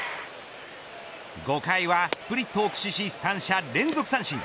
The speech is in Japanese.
５回はスプリットを駆使し三者連続三振。